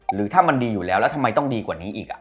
หรือถ้ามันดีอยู่แล้วแล้วทำไมต้องดีกว่านี้อีก